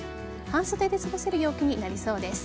半袖で過ごせる陽気になりそうです。